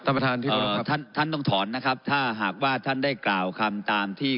ประธานที่ท่านท่านต้องถอนนะครับถ้าหากว่าท่านได้กล่าวคำตามที่